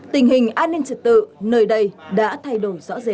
tình hình an ninh trật tự nơi đây đã thay đổi rõ rệt